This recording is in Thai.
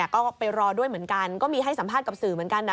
ก็ไปรอด้วยเหมือนกันก็มีให้สัมภาษณ์กับสื่อเหมือนกันนะ